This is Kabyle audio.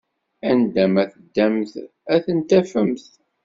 Anda ma teddamt, ad ten-tafemt.